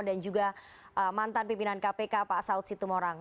dan juga mantan pimpinan kpk pak saud situ morang